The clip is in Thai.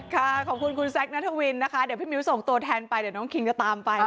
ขอบคุณคุณแซคนัทวินนะคะเดี๋ยวพี่มิ้วส่งตัวแทนไปเดี๋ยวน้องคิงก็ตามไป